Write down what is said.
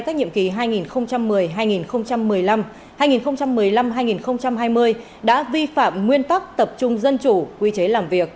nhiệm kỳ hai nghìn một mươi hai nghìn một mươi năm hai nghìn một mươi năm hai nghìn hai mươi đã vi phạm nguyên tắc tập trung dân chủ quy chế làm việc